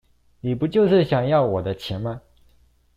你不就是想要我的錢嗎?